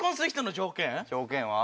条件は？